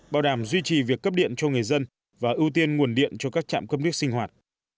bảo đảm duy trì việc cấp điện cho người dân và ưu tiên nguồn điện cho các trạm cấp nước sinh hoạt